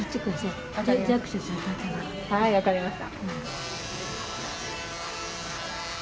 はい分かりました。